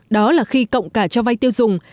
đó là khi cộng cả cho vay tiêu dùng